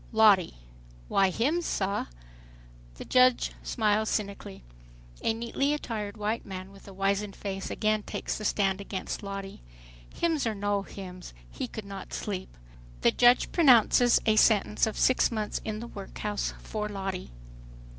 LOTTIE: "Why, hymns, sah." The judge smiles cynically. A neatly attired white man with a wizened face again takes the stand against Lottie. Hymns or no hymns he could not sleep. The judge pronounces a sentence of "six months in the workhouse," for Lottie.